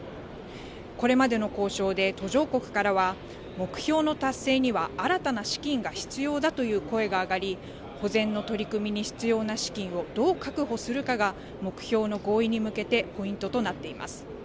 これまでの交渉で途上国からは、目標の達成には新たな資金が必要だという声が上がり、保全の取り組みに必要な資金をどう確保するかが、目標の合意に向けてポイントとなっています。